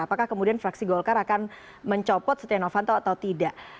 apakah kemudian fraksi golkar akan mencopot setia novanto atau tidak